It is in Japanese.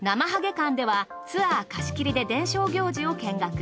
館ではツアー貸切で伝承行事を見学。